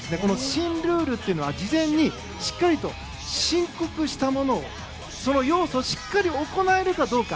新ルールというのは事前にしっかりと申告したものをその要素をしっかり行えるかどうか。